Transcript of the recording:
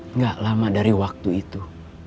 enggak lama dari waktu itu